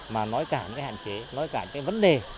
mà nói cả những cái hạn chế nói cả những cái vấn đề